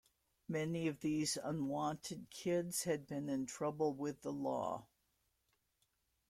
Many of these unwanted kids had been in trouble with the law.